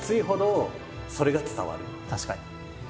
確かに。